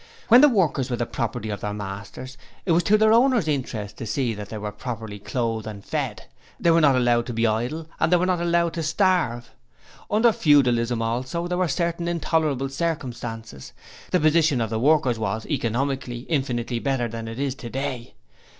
When the workers were the property of their masters, it was to their owners' interest to see that they were properly clothed and fed; they were not allowed to be idle, and they were not allowed to starve. Under Feudalism also, although there were certain intolerable circumstances, the position of the workers was, economically, infinitely better than it is today.